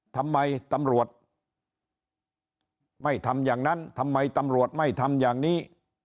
ทำไมตำรวจไม่ทำอย่างนั้นทำไมตำรวจไม่ทำอย่างนี้